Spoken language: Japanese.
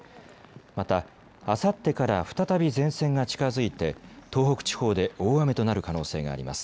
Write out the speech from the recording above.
また、あさってから再び前線が近づいて東北地方で大雨となる可能性があります。